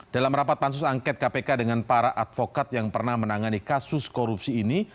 dalam rapat pansus angket kpk dengan para advokat yang pernah menangani kasus korupsi ini